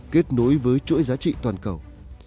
kết nối với chuỗi giá trị toàn cầu